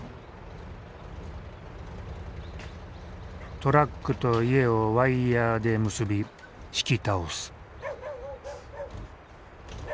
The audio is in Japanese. トラックと家をワイヤーで結び引き倒す。